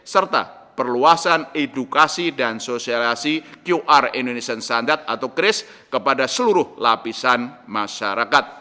serta perluasan edukasi dan sosialisasi qr indonesian standard atau kris kepada seluruh lapisan masyarakat